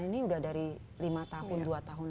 ini udah dari lima tahun dua tahun